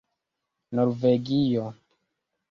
norvegio